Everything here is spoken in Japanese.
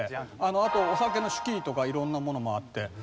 あとお酒の酒器とか色んなものもあって。